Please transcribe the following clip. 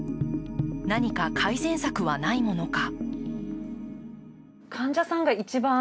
何か改善策はないものか。